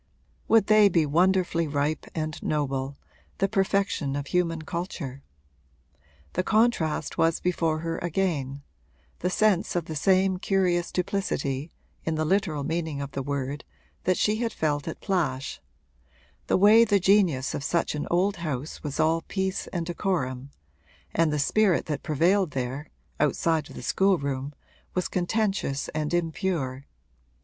Would they be wonderfully ripe and noble, the perfection of human culture? The contrast was before her again, the sense of the same curious duplicity (in the literal meaning of the word) that she had felt at Plash the way the genius of such an old house was all peace and decorum and the spirit that prevailed there, outside of the schoolroom, was contentious and impure.